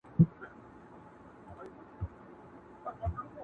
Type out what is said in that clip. چي تندي كي دي سجدې ورته ساتلې.!